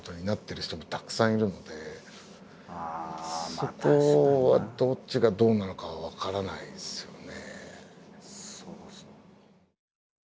そこはどっちがどうなのかは分からないですよね。